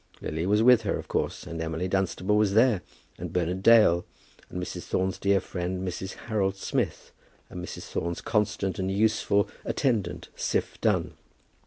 Lily was with her, of course, and Emily Dunstable was there, and Bernard Dale, and Mrs. Thorne's dear friend Mrs. Harold Smith, and Mrs. Thorne's constant and useful attendant, Siph Dunn.